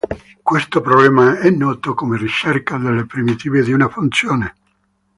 Questo problema è noto come ricerca delle primitive di una funzione.